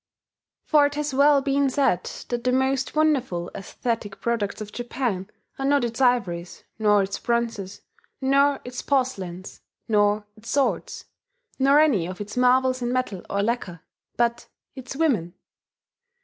] For it has well been said that the most wonderful aesthetic products of Japan are not its ivories, nor its bronzes, nor its porcelains, nor its swords, nor any of its marvels in metal or lacquer but its women.